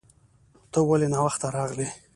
ته ولې ناوخته راغلې